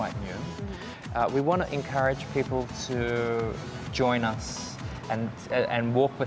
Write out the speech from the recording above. kita ingin memberi keuangan kepada orang lain untuk bergabung dengan kami